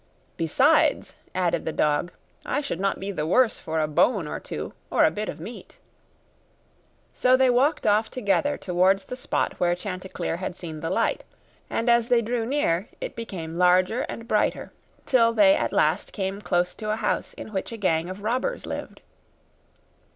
'Besides,' added the dog, 'I should not be the worse for a bone or two, or a bit of meat.' So they walked off together towards the spot where Chanticleer had seen the light, and as they drew near it became larger and brighter, till they at last came close to a house in which a gang of robbers lived.